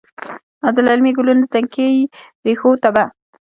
او د للمې ګلونو، تنکۍ ریښو ته به،